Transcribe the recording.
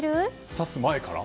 指す前から？